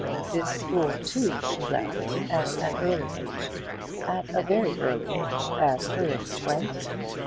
This school, too, she left at an early age at a very early age, as her age went.